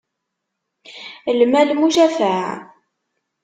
Lmal, mucafaɛ.